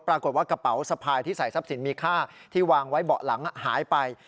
ปรากฏว่ากระเป๋าสะพายที่ใส่ทรัพย์สินมีค่าที่วางไว้เบาะหลังหายไป